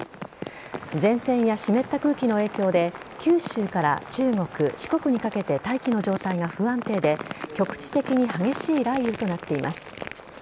前線や湿った空気の影響で九州から中国、四国にかけて大気の状態が不安定で局地的に激しい雷雨となっています。